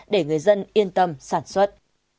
để người dân yên tâm sản xuất